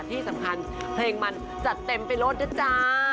ที่สำคัญเพลงมันจัดเต็มไปรถนะจ๊ะ